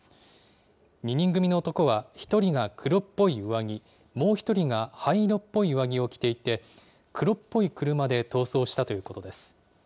２人組の男は１人が黒っぽい上着、もう１人が灰色っぽい上着を着ていて、黒っぽい車で逃走したということです。